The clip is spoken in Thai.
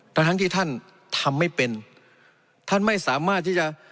ทั้งทั้งที่ท่านทำไม่เป็นท่านไม่สามารถที่จะ